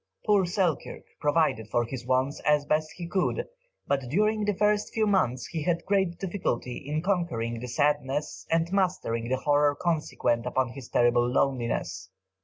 Poor Selkirk provided for his wants as best he could, but during the first few months he had great difficulty in conquering the sadness and mastering the horror consequent upon his terrible loneliness.